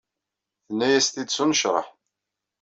Tenna-yas-t-id s unecreḥ.